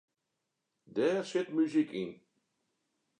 Dêr sit muzyk yn.